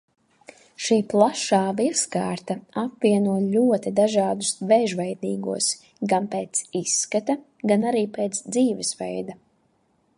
Šī plašā virskārta apvieno ļoti dažādus vēžveidīgos gan pēc izskata, gan arī pēc dzīvesveida.